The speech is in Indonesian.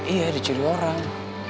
iya dicuri orang